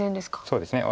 そうですね。